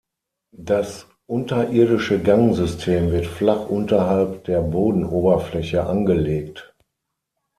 Das unterirdische Gangsystem wird flach unterhalb der Bodenoberfläche angelegt.